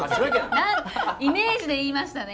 イメージで言いましたね？